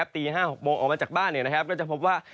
ตี๕๖โมงออกมาจากบ้านก็จะพบว่า